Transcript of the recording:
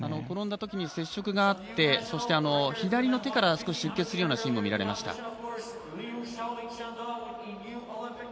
転んだときに接触があって左の手から出血するようなシーンも見られました。